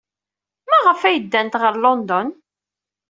Maɣef ay ddant ɣer London?